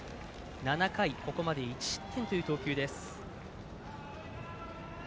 ７回、ここまで１失点という内容です。